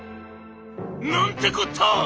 「なんてこった！